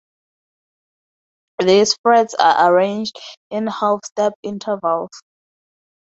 These frets are arranged in half-step intervals.